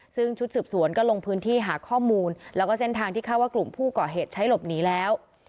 ซึ่งชุดสืบสวนก็ลงพื้นที่หาข้อมูลแล้วก็เส้นทางที่คาดว่ากลุ่มผู้ก่อเหตุใช้หลบหนีแล้ว